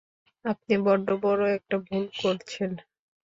আপনি বড্ড বড় একটা ভুল করছেন!